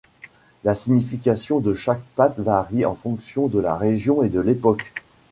La signification de chaque patte varie en fonction de la région et de l'époque.